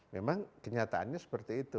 memang kenyataannya seperti itu